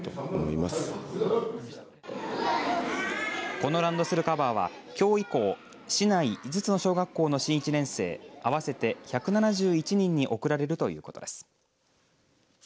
このランドセルカバーはきょう以降市内５つの小学校の新１年生合わせて１７１人に贈られるということです。